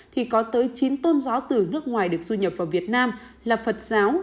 thì có tới chín tôn giáo từ nước ngoài được du nhập vào việt nam là phật giáo